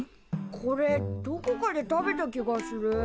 これどこかで食べた気がする。